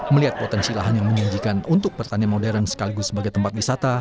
melihat potensi lahan yang menjanjikan untuk pertanian modern sekaligus sebagai tempat wisata